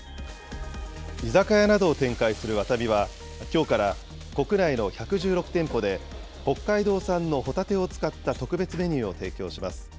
居酒屋などを展開するワタミは、きょうから国内の１１６店舗で、北海道産のホタテを使った特別メニューを提供します。